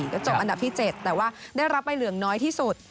ก็จบอันดับที่๗แต่ว่าได้รับใบเหลืองน้อยที่สุด